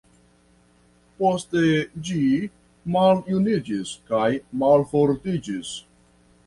Poste ĝi maljuniĝis kaj malfortiĝis.